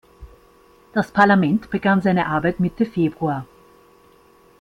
Das Parlament begann seine Arbeit Mitte Februar.